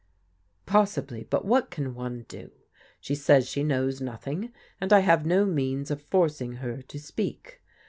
" Possibly, but what can one do ? She says she knows nothing, and I have no means of forcing her to speak.